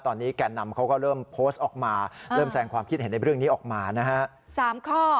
ตอนนี้แก่นำเขาก็เริ่มโพสต์ออกมาเริ่มแสงความคิดเห็นในเรื่องนี้ออกมานะฮะ๓ข้อ